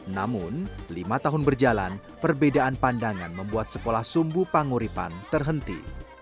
namun lima tahun berjalan perbedaan pandangan membuat sekolah sumbu panguripan terhenti